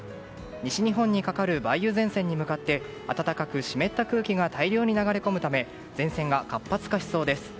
西日本にかかる梅雨前線に向かって暖かく湿った空気が大量に流れ込むため前線が活発化しそうです。